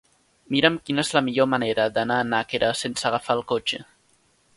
Mira'm quina és la millor manera d'anar a Nàquera sense agafar el cotxe.